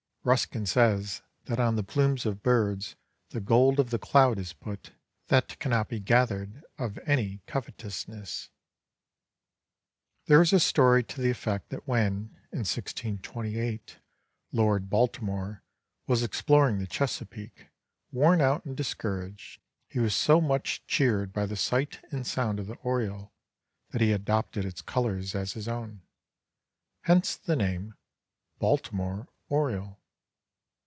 Ruskin says that on the plumes of birds the gold of the cloud is put, that cannot be gathered of any covetousness. There is a story to the effect that when, in 1628, Lord Baltimore was exploring the Chesapeake, worn out and discouraged, he was so much cheered by the sight and sound of the oriole that he adopted its colors as his own, hence the name, "Baltimore Oriole."